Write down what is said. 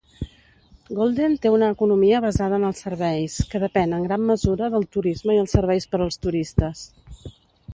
Golden té una economia basada en els serveis, que depèn en gran mesura del turisme i els serveis per als turistes.